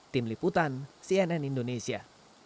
tim liputan cnn indonesia